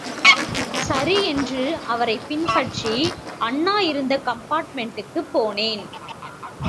சரி என்று அவரைப் பின்பற்றி அண்ணா இருந்த கம்பார்ட்மெண்ட்டுக்குப் போனேன்.